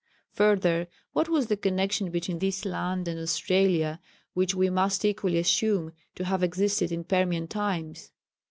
Further, what was the connexion between this land and Australia which we must equally assume to have existed in Permian times?